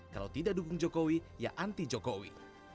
kalau tidak dukung jokowi ya anti jokowi